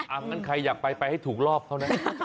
งั้นใครอยากไปไปให้ถูกรอบเขานะ